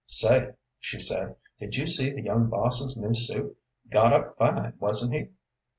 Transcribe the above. "Say," she said, "did you see the young boss's new suit? Got up fine, wasn't he?"